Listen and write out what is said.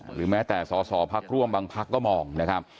หรือแม้แต่สอสอพักร่วมบางพักก็มองนะครับ